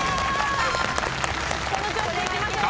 この調子でいきましょう。